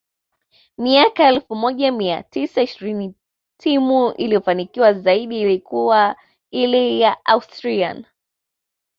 miaka ya elfu moja mia tisa ishirini timu iliyofanikiwa zaidi ikiwa ile ya Austrian